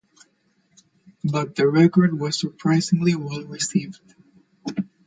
But the record was surprisingly well received.